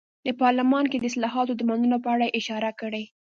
د پارلمان کې د اصلاحاتو د منلو په اړه یې اشاره کړې.